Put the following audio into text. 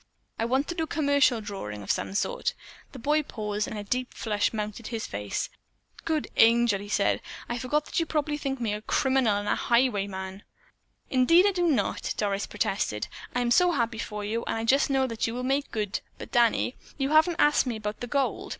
I want to do commercial drawing of some sort." Then the boy paused and a deep flush mounted his face. "Good Angel," he said, "I forgot that you probably think of me as a criminal and a highwayman." "Indeed I do not," Doris protested. "I'm so happy for you, and I just know that you will make good, but, Danny, you haven't asked me about the gold.